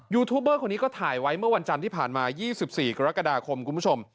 ยูทูบเบอร์คนนี้ก็ถ่ายไว้เมื่อวันจันทร์ที่ผ่านมา๒๔กรกฎาคมคุณผู้ชม